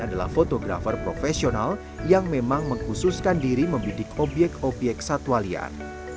adalah fotografer profesional yang memang mengkhususkan diri membidik obyek obyek satwa liar